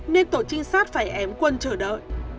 nên tổ trinh sát phải ém quân chờ đợi